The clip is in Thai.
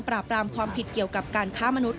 ปราบรามความผิดเกี่ยวกับการค้ามนุษย